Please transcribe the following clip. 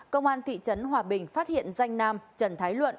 công an thị trấn hòa bình phát hiện danh nam trần thái luận